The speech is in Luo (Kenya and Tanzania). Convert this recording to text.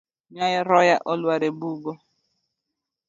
Nyaroya olwar e bugo.